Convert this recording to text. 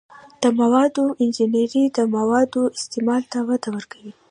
د موادو انجنیری د موادو استعمال ته وده ورکوي.